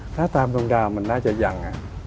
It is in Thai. ถ้าตามตรงดาวมันน่าจะยัง